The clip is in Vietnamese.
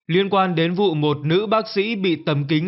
liên quan đến vụ một nữ bác sĩ bị tầm kính